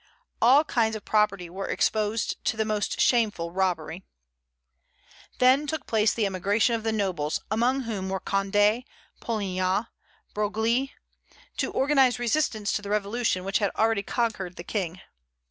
All kinds of property were exposed to the most shameful robbery." Then took place the emigration of the nobles, among whom were Condé, Polignac, Broglie, to organize resistance to the revolution which had already conquered the King.